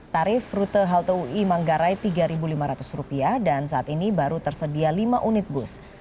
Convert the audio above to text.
tarif rute halte ui manggarai rp tiga lima ratus dan saat ini baru tersedia lima unit bus